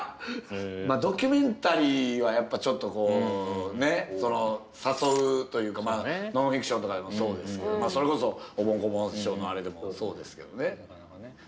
ドキュメンタリーはやっぱちょっとこうね誘うというかノンフィクションとかでもそうですけどそれこそおぼん・こぼん師匠のあれでもそうですけどね。